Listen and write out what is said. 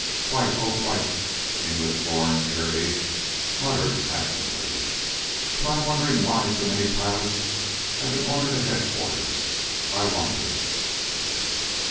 "Quite, oh quite," the English born air ace murmured absently. "But I'm wondering why so many pilots have been ordered to Headquarters. I wonder."